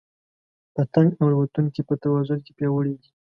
پتنګ او الوتونکي په توازن کې پیاوړي دي.